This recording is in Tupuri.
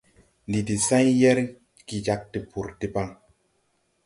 Ndi de say yerge jāg tupuri deban.